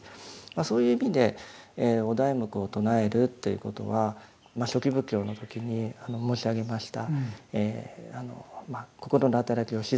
そういう意味でお題目を唱えるということはまあ初期仏教の時に申し上げました